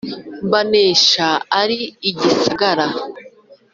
Mbanesha ari igisagara.